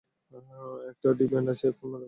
একটা ডিভিয়েন্ট অ্যাজাককে মেরে ফেলেছে।